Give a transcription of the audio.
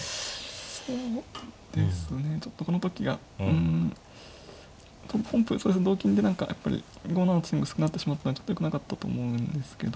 そうですねちょっとこの時がうん本譜同金で何かやっぱり５七の地点が薄くなってしまったのでちょっとよくなかったと思うんですけど。